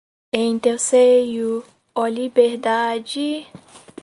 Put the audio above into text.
Em teu seio, ó Liberdade